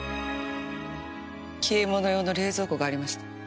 消え物用の冷蔵庫がありました。